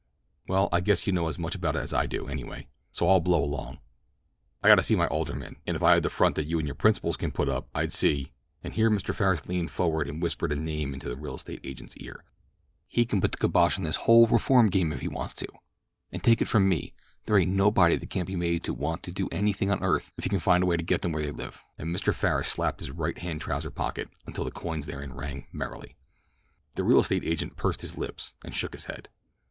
"Well, I guess you know as much about it as I do, anyway; so I'll blow along. I got to see my alderman, and if I had the front that you and your principals can put up I'd see "—and here Mr. Farris leaned forward and whispered a name into the real estate agent's ear. "He can put the kibosh on this whole reform game if he wants to; and take it from me, there ain't nobody that can't be made to want to do anything on earth if you can find the way to get 'em where they live," and Mr. Farris slapped his right hand trouser pocket until the coins therein rang merrily. The real estate agent pursed his lips and shook his head.